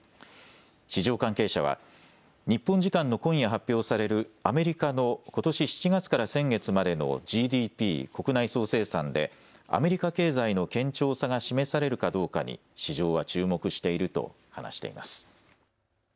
市場関係者は日本時間の今夜発表されるアメリカのことし７月から先月までのＧＤＰ・国内総生産でアメリカ経済の堅調さが示されるかどうかに市場は注目していると話しています。